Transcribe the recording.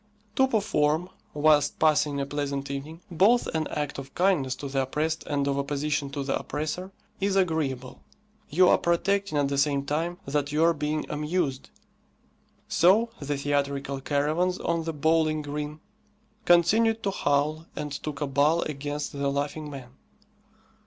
To perform, whilst passing a pleasant evening, both an act of kindness to the oppressed and of opposition to the oppressor is agreeable. You are protecting at the same time that you are being amused. So the theatrical caravans on the bowling green continued to howl and to cabal against the Laughing Man.